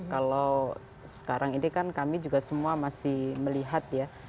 kalau sekarang ini kan kami juga semua masih melihat ya